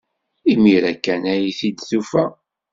Imir-a kan ay t-id-tufa.